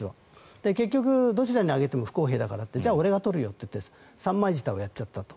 結局どちらにあげても不公平だからじゃあ俺が取るよと言って三枚舌をやっちゃったと。